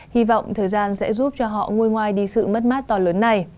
hy vọng thời gian sẽ giúp cho họ ngôi ngoài đi sự mất mát to lớn này